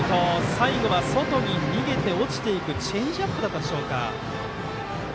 最後は外に逃げて落ちていくチェンジアップだったでしょうか。